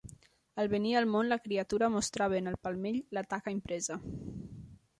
Al venir al món la criatura mostrava en el palmell la taca impresa.